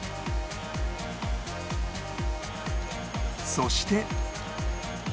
そして